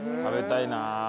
食べたいな。